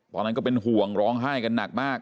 ตอนนั้นก็เป็นห่วงร้องไห้กันหนักมาก